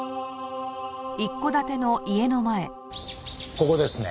ここですね。